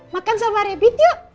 makan sama rabbit yuk